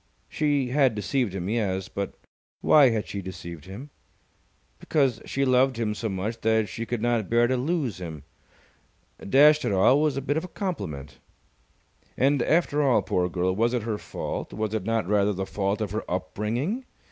She had deceived him, yes. But why had she deceived him? Because she loved him so much that she could not bear to lose him. Dash it all, it was a bit of a compliment. And, after all, poor girl, was it her fault? Was it not rather the fault of her upbringing?